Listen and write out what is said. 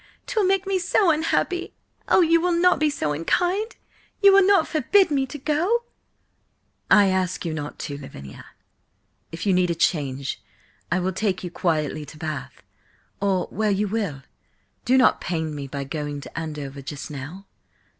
'Twill make me so unhappy! Oh, you will not be so unkind? You will not forbid me to go?" "I ask you not to, Lavinia. If you need a change, I will take you quietly to Bath, or where you will. Do not pain me by going to Andover just now."